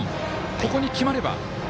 ここに決まれば。